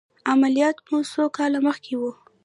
عملیات مو څو کاله مخکې و؟